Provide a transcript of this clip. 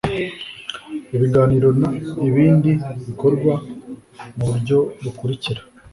ibiganiro n ibindi bikorwa mu buryo bukurikira